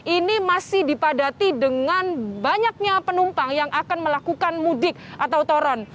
ini masih dipadati dengan banyaknya penumpang yang akan melakukan mudik atau toron